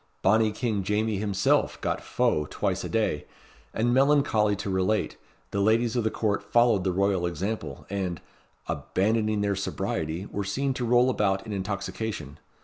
Bonnie King Jamie himself got fou twice a day; and, melancholy to relate, the ladies of the Court followed the royal example, and, "abandoning their sobriety, were seen to roll about in intoxication."